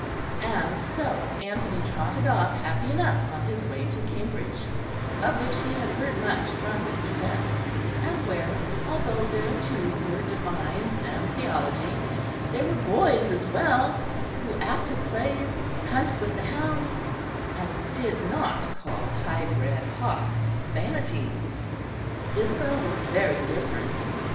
And so Anthony trotted off happy enough on his way to Cambridge, of which he had heard much from Mr. Dent; and where, although there too were divines and theology, there were boys as well who acted plays, hunted with the hounds, and did not call high bred hawks "vanities." Isabel was very different.